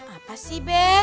apa sih be